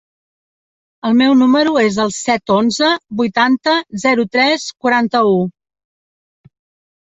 El meu número es el set, onze, vuitanta, zero, tres, quaranta-u.